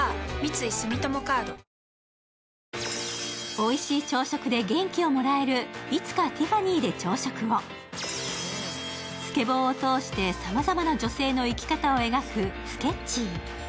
おいしい朝食で元気をもらえる「いつかティファニーで朝食を」。スケボーを通してさまざまな女性の生き方を描く「スケッチー」。